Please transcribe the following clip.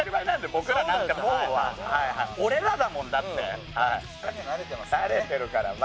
僕らなんてもんは俺らだもんだって失敗には慣れてますからね